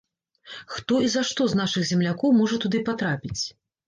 Хто і за што з нашых землякоў можа туды патрапіць?